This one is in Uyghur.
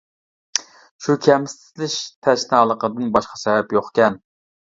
شۇ كەمسىتىلىش تەشنالىقىدىن باشقا سەۋەب يوقكەن.